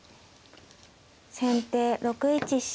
先手６一飛車。